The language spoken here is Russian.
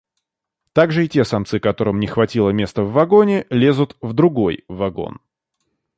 Также и те самцы, которым не хватило места в вагоне, лезут в другой вагон.